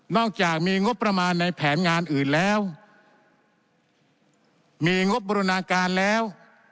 อกจากมีงบประมาณในแผนงานอื่นแล้วมีงบบรินาการแล้ว